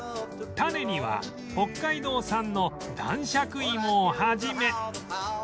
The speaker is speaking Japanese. タネには北海道産の男爵いもを始め